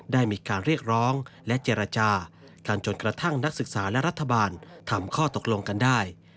ได้มีการเรียกร้องและเจรจากันจนกระทั่งนักศึกษาและรัฐบาลทำข้อตกลงกันได้